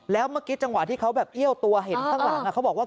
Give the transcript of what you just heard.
แล้วเมื่อกี้จังหวะที่เขาแบบเอี้ยวตัวเห็นข้างหลังเขาบอกว่า